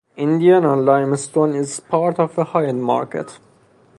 Indiana limestone is part of a high-end market.